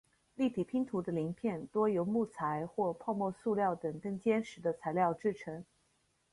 立体拼图的零片多由木材或泡沫塑料等更坚实的材料制成。